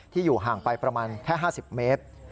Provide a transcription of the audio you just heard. อยู่ห่างไปประมาณแค่๕๐เมตร